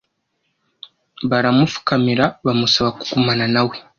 baramupfukamira bamusaba kugumana na we,